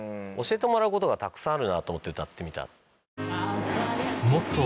教えてもらうことがたくさんあるなと思って歌ってみたら。